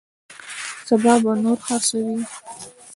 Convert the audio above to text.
سبا به نور خرڅوي.